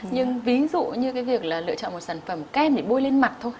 nhưng ví dụ như việc lựa chọn một sản phẩm kem để bôi lên mặt thôi